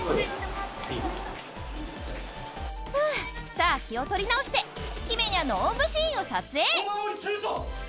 さあ気を取り直してひめにゃんのおんぶシーンを撮影！